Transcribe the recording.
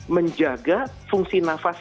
menjaga fungsi nafas